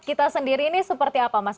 kita sendiri ini seperti apa mas